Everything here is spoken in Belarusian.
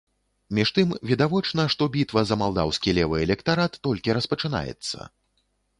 Між тым, відавочна, што бітва за малдаўскі левы электарат толькі распачынаецца.